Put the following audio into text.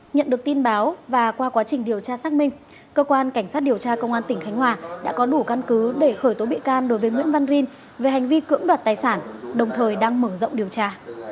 nhận được tin báo và qua quá trình điều tra xác minh cơ quan cảnh sát điều tra công an tỉnh khánh hòa đã có đủ căn cứ để khởi tố bị can đối với nguyễn văn rin về hành vi cưỡng đoạt tài sản đồng thời đang mở rộng điều tra